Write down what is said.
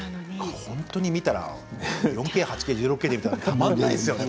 本当に見たら４Ｋ、８Ｋ１６Ｋで見たらたまらないですよね。